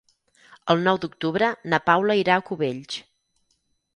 El nou d'octubre na Paula irà a Cubells.